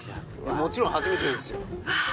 もちろん初めてですようわ